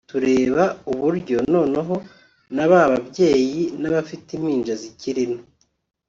tureba uburyo noneho na ba babyeyi n’abafite impinja zikiri nto